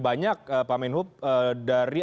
banyak pak menhub dari